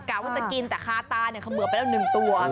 กลายว่าจะกินแต่คาตาเขาเหมือบไปแล้ว๑ตัว